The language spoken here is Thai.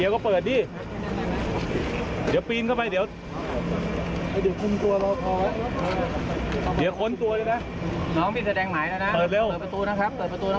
คุณผู้ชมครับคุณผู้ชมครับ